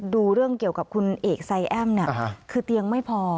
ดูเรื่องเกี่ยวกับคุณเอกไซแอ้มคือเตียงไม่พอ